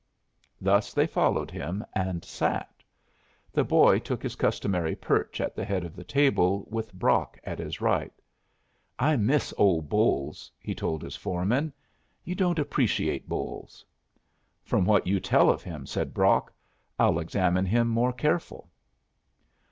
Thus they followed him, and sat. The boy took his customary perch at the head of the table, with Brock at his right. "I miss old Bolles," he told his foreman. "You don't appreciate Bolles." "From what you tell of him," said Brock, "I'll examine him more careful."